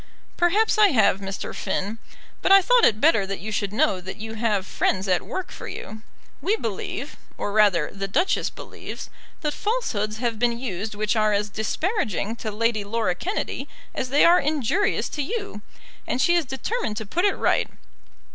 "Perhaps I have, Mr. Finn. But I thought it better that you should know that you have friends at work for you. We believe, or rather, the Duchess believes, that falsehoods have been used which are as disparaging to Lady Laura Kennedy as they are injurious to you, and she is determined to put it right.